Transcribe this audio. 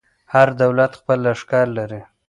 هر دولت خپل لښکر لري.